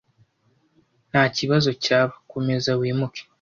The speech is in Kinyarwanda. Ntakibazo cyaba, komeza wimuke.